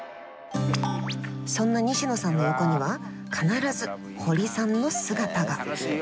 そんな西野さんの横には必ず堀さんの姿が。